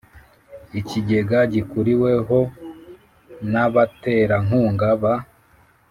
Ikigega gihuriweho n abaterankunga ba